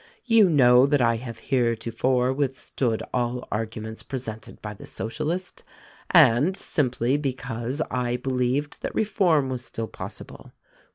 You know that I have heretofore withstood all argu ments presented by the Socialists — and simply because I be lieved that reform was still possible.